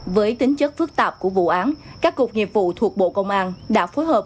với tính chất phức tạp của vụ án các cuộc nghiệp vụ thuộc bộ công an đã phối hợp